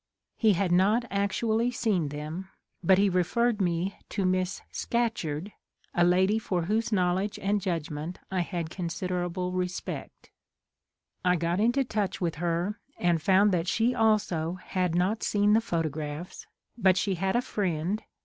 He had not actually seen them, but he referred me to Miss Scatcherd, a lady for whose knowl edge and judgment I had considerable re spect. I got into touch with her and found that she also had not seen the photographs, but she had a friend.